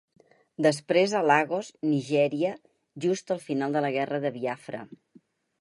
Després a Lagos, Nigeria, just al final de la guerra de Biafra.